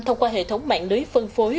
thông qua hệ thống mạng lưới phân phối